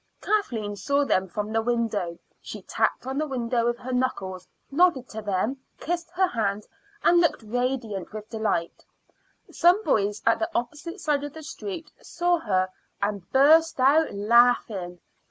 Kathleen saw them from the window; she tapped on the window with her knuckles, nodded to them, kissed her hand, and looked radiant with delight. Some boys at the opposite side of the street saw her and burst out laughing.